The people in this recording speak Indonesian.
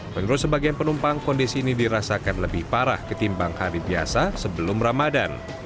menurut sebagian penumpang kondisi ini dirasakan lebih parah ketimbang hari biasa sebelum ramadan